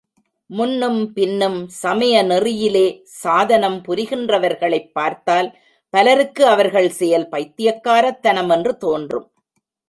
முன்னும் பின்னும் சமய நெறியிலே சாதனம் புரிகின்றவர்களைப் பார்த்தால் பலருக்கு அவர்கள் செயல் பைத்தியக்காரத்தனம் என்று தோன்றும்.